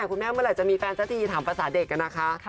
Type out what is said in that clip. คุณแม่เมื่อไหร่จะมีแฟนซะทีถามภาษาเด็กกันนะคะ